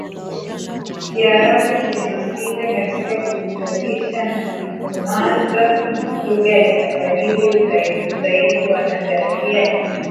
Kiarabu kimehusika katika kuizalisha na kuikomaza lugha ya Kiswahili UdhaifuUdhaifu wa nadharia hii ni